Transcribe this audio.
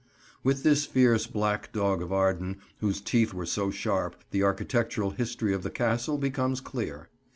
With this fierce "Black Dog of Arden," whose teeth were so sharp, the architectural history of the Castle becomes clear.